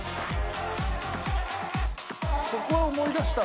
「そこは思い出したわ」